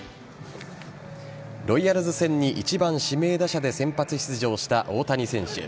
ロイヤルズ戦に１番・指名打者で先発出場した大谷選手。